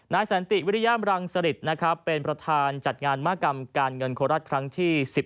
สันติวิริยามรังสริตนะครับเป็นประธานจัดงานมากรรมการเงินโคราชครั้งที่๑๑